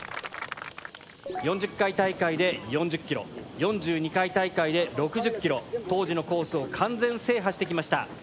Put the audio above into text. ４０回大会で４０ｋｍ４２回大会で６０ｋｍ当時のコースを完全制覇してきました。